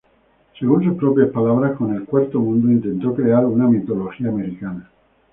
Según sus propias palabras, con el Cuarto Mundo intentó crear una "mitología americana".